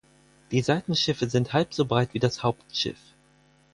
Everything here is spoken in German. Die Seitenschiffe sind halb so breit wie das Hauptschiff.